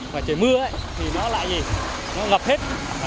và trời mưa thì nó lại gì nó ngập hết